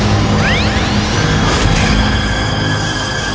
aku mengumpulkan sisa tenagaku